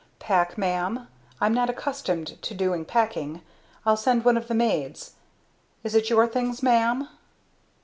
"Pack, ma'am? I'm not accustomed to doing packing. I'll send one of the maids. Is it your things, ma'am?"